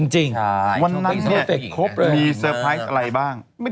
โชคดีจริง